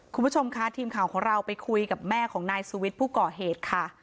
คุณผู้ชมค่ะทีมข่าวของเราไปคุยกับแม่ของนายสุวิทย์ผู้ก่อเหตุค่ะ